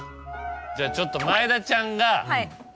じゃあちょっと前田ちゃんが。